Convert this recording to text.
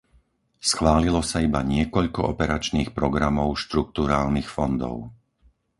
Schválilo sa iba niekoľko operačných programov štrukturálnych fondov.